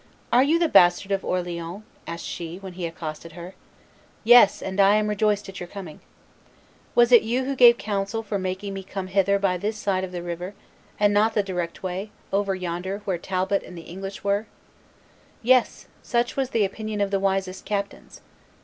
"Are you the bastard of Orleans?" asked she, when he accosted her. "Yes; and I am rejoiced at your coming." "Was it you who gave counsel for making me come hither by this side of the river, and not the direct way, over yonder where Talbot and the English were?" "Yes; such was the opinion of the wisest captains."